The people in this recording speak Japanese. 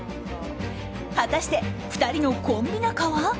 果たして２人のコンビ仲は？